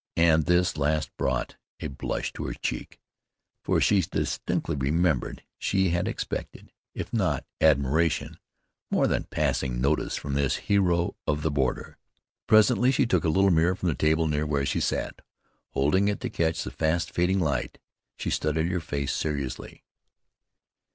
And this last brought a blush to her cheek, for she distinctly remembered she had expected, if not admiration, more than passing notice from this hero of the border. Presently she took a little mirror from a table near where she sat. Holding it to catch the fast fading light, she studied her face seriously.